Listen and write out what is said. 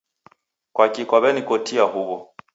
Kwakii kwaw'enikotia huwo?